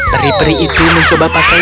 merasa saya pun men dorang